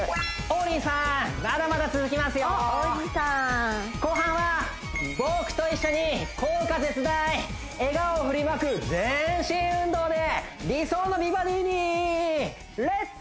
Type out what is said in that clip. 王子さん後半は僕と一緒に効果絶大笑顔を振りまく全身運動で理想の美バディにレッツ！